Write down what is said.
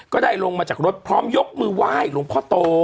ก็ได้ลงมาจากรถพร้อมยกมือไหว้หลวงพ่อโต